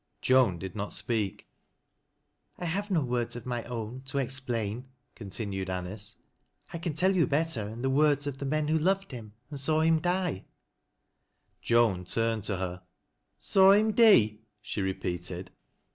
Joan did not speak. " I have no words of my rwn, to explain," continued ]02 THAT LASS Of LOWBIEPS. Anice " I can tell you better in the words ; i tbe moi who loTcd him and saw him die." Joan turned to her. '' Saw him dee !" she repeated.